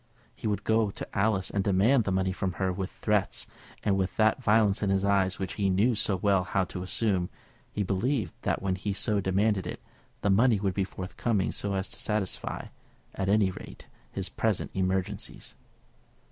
He would go to Alice and demand the money from her with threats, and with that violence in his eyes which he knew so well how to assume. He believed that when he so demanded it, the money would be forthcoming so as to satisfy, at any rate, his present emergencies.